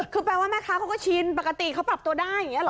คือแปลว่าแม่ค้าเขาก็ชินปกติเขาปรับตัวได้อย่างนี้หรอ